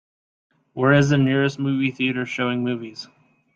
where is the nearest movie theatre showing movies